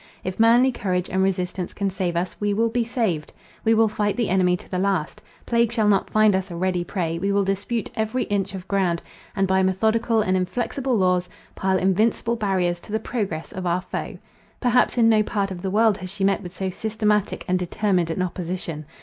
If manly courage and resistance can save us, we will be saved. We will fight the enemy to the last. Plague shall not find us a ready prey; we will dispute every inch of ground; and, by methodical and inflexible laws, pile invincible barriers to the progress of our foe. Perhaps in no part of the world has she met with so systematic and determined an opposition.